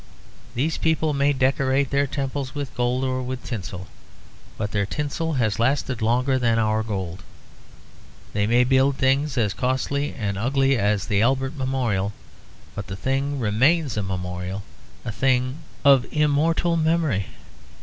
These people may decorate their temples with gold or with tinsel; but their tinsel has lasted longer than our gold. They may build things as costly and ugly as the Albert Memorial; but the thing remains a memorial, a thing of immortal memory.